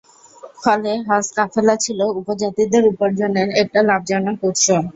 ফলে হজ কাফেলা ছিল উপজাতিদের উপার্জনের একটি লাভজনক উৎস।